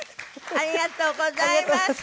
ありがとうございます。